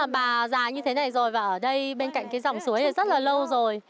bà già như thế này rồi và ở đây bên cạnh cái dòng suối này rất là lâu rồi